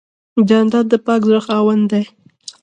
جانداد د پاک زړه خاوند دی.